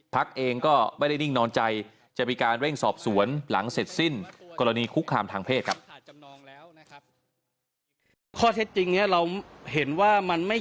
เพิ่งสอบสวนหลังเสร็จสิ้นกรณีคุกคามทางเพศครับ